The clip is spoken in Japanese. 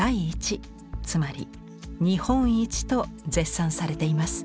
つまり日本一と絶賛されています。